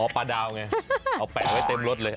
ปลาดาวไงเอาแปะไว้เต็มรถเลย